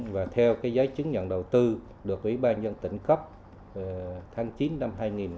và theo giấy chứng nhận đầu tư được ủy ban nhân tỉnh cấp tháng chín năm hai nghìn bốn